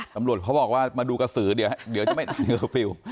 ตำรวจเขาบอกว่ามาดูกระสือเดี๋ยวจะไม่อ่านเคอร์ฟิลล์